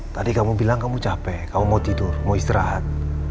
tadi kamu bilang kamu capek kamu mau tidur mau istirahat